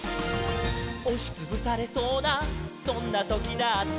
「おしつぶされそうなそんなときだって」